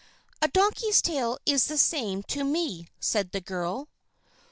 "A donkey's tail is the same to me," said the girl.